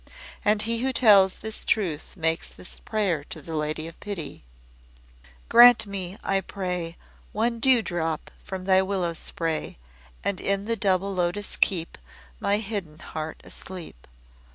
And he who tells this truth makes this prayer to the Lady of Pity; "Grant me, I pray, One dewdrop from Thy willow spray, And in the double Lotos keep My hidden heart asleep."